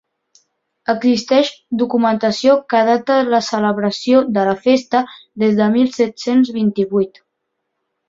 Existeix documentació que data la celebració de la festa des de mil set-cents vint-i-vuit.